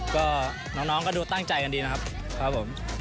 ก็น้องก็ดูตั้งใจกันดีนะครับ